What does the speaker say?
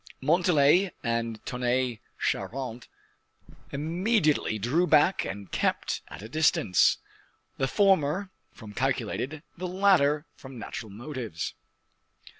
Montalais and Tonnay Charente immediately drew back and kept at a distance; the former from calculated, the latter from natural motives.